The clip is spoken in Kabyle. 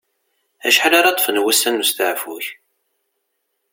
Acḥal ara ṭṭfen wussan n usteɛfu-k?